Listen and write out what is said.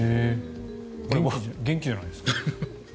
元気じゃないですか。